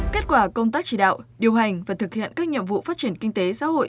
kết quả công tác chỉ đạo điều hành và thực hiện các nhiệm vụ phát triển kinh tế xã hội